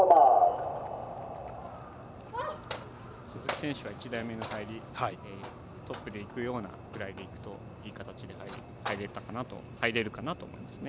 選手は１台目の入りトップでいくような感じでいくといい形で入れるかなと思いますね。